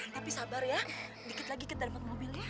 tapi sabar ya dikit lagi ke darurat mobilnya